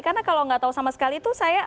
karena kalau nggak tahu sama sekali itu saya